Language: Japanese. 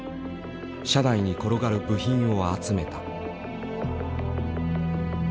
社内に転がる部品を集めた。